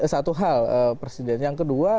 satu hal presiden yang kedua